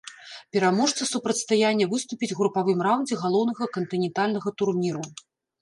Пераможца супрацьстаяння выступіць у групавым раўндзе галоўнага кантынентальнага турніру.